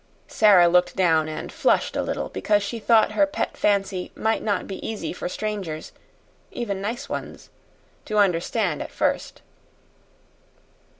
Sara looked down and flushed a little, because she thought her pet fancy might not be easy for strangers even nice ones to understand at first.